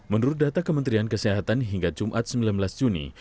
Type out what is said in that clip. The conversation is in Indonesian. menurut data kementerian kesehatan hingga jumat sembilan belas juni